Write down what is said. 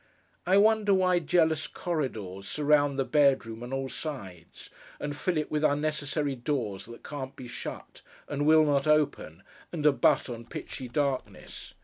I wonder why jealous corridors surround the bedroom on all sides, and fill it with unnecessary doors that can't be shut, and will not open, and abut on pitchy darkness!